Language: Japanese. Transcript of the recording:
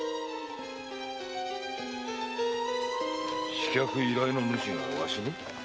刺客依頼の主がわしに？